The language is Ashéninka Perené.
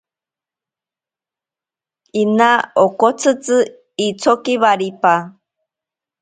Ina okotsitzi itsoki waripa.